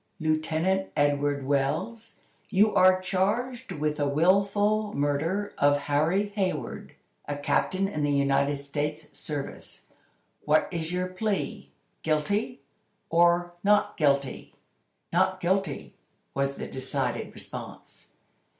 "Lieutenant Edward Wells, you are charged with the willful murder of Harry Hayward, a captain in the United States service. What is your plea. Guilty, or not guilty!" "Not guilty!" was the decided response.